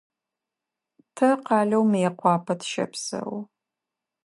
Тэ къалэу Мыекъуапэ тыщэпсэу.